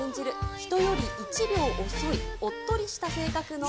人より１秒遅いおっとりした性格の麗華。